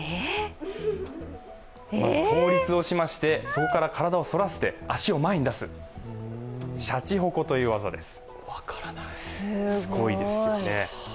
まず倒立をしまして、そこから体を反らして足を前に出す、シャチホコという技です。